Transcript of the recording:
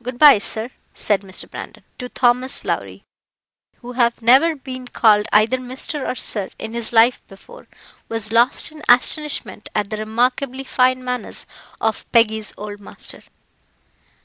Good bye, sir," said Mr. Brandon, to Thomas Lowrie, who having never been called either Mr. or Sir in his life before, was lost in astonishment at the remarkably fine manners of Peggy's old master.